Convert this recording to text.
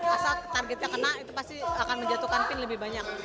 asal targetnya kena itu pasti akan menjatuhkan pin lebih banyak